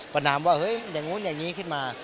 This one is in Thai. ประนามว่าเฮ้ยอย่างนู้นอย่างนี้ขึ้นมา